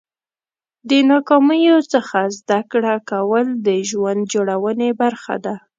د ناکامیو څخه زده کړه کول د ژوند جوړونې برخه ده.